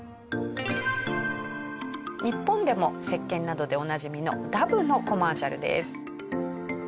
日本でも石けんなどでおなじみのダヴのコマーシャルです。